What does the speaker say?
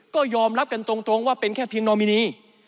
ก็ยอมรับกันตรงว่าเป็นแค่เพียงโนมินี